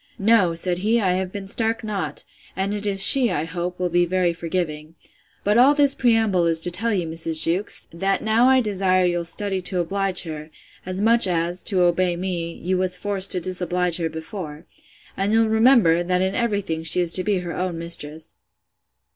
No, said he, I have been stark naught; and it is she, I hope, will be very forgiving. But all this preamble is to tell you, Mrs. Jewkes, that now I desire you'll study to oblige her, as much as (to obey me) you was forced to disoblige her before. And you'll remember, that in every thing she is to be her own mistress.